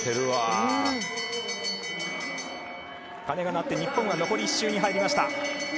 鐘が鳴って日本が残り１周に入りました。